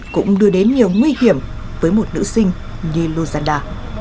cũng đưa đến nhiều nguy hiểm với một nữ sinh như luzana